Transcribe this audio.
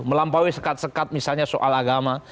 melampaui sekat sekat misalnya soal agama